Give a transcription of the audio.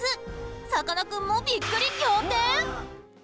さかなクンもびっくり仰天。